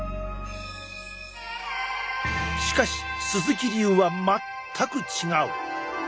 しかし鈴木流は全く違う！